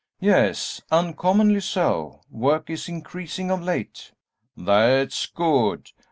"Yes, uncommonly so; work is increasing of late." "That's good.